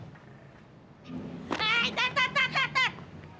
hei tahan tahan tahan